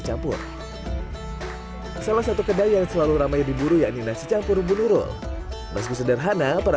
campur salah satu kedai yang selalu ramai diburu yakni nasi campur bunurul meski sederhana para